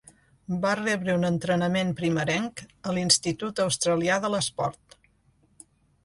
Va rebre un entrenament primerenc a l'Institut Australià de l'Esport.